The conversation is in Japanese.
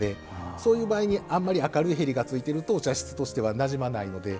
そういう場合にあんまり明るい縁がついてるとお茶室としてはなじまないので。